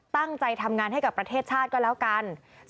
ตั้งใจทำงานให้กับประเทศชาติก็แล้วกัน